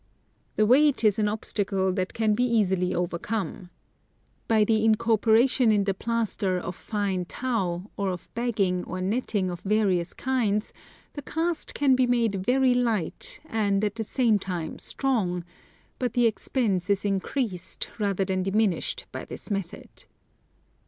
The weight is an obstacle that can be easily overcome. By the incorporation in the plaster of fine tow, or of bagging or netting of various kinds, the cast can be made very light and at the same time strong, but the expense is increased rather than diminished by this method.